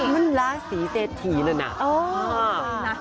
มันล้าสีเศษถีเลยน่ะ